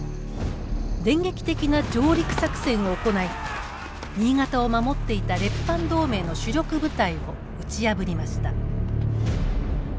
電撃的な上陸作戦を行い新潟を守っていた列藩同盟の主力部隊を打ち破りました。